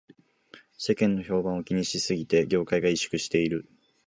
世間の評判を気にしすぎで業界が萎縮している